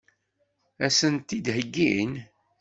Ad sen-t-id-heggin?